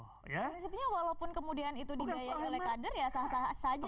prinsipnya walaupun kemudian itu dibiayai oleh kader ya sah sah saja